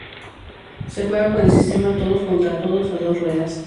Se juega con el sistema todos contra a todos a dos ruedas.